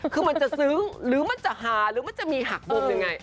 คือมันจะซึ้งหรือมันจะหาหรือมันจะมีหักมุมยังไง